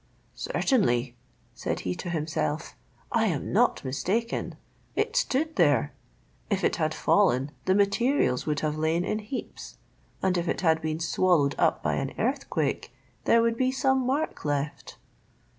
"Certainly," said he to himself, "I am not mistaken; it stood there: if it had fallen, the materials would have lain in heaps; and if it had been swallowed up by an earthquake, there would be some mark left."